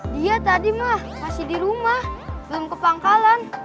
dia tadi mah masih di rumah belum kepangkalan